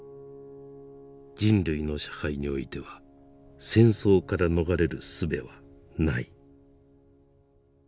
「人類の社会に於ては戦争から逃れる術はない」。